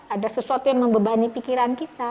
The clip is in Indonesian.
ada sesuatu yang membebani pikiran kita